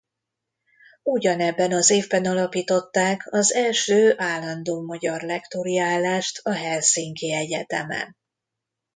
Ugyanebben az évben alapították az első állandó magyar lektori állást a Helsinki Egyetemen.